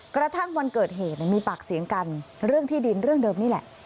กระทั่งวันเกิดเหตุมีปากเสียงกันเรื่องที่ดินเรื่องเดิมนี่แหละ